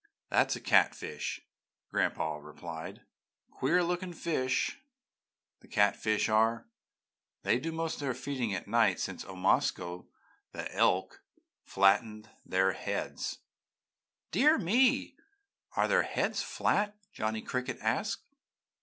"That's a catfish!" Gran'pa replied. "Queer looking fish, the catfish are; they do most of their feeding at night since Omasko, the elk, flattened their heads." "Dear me! Are their heads flat?" Johnny Cricket asked.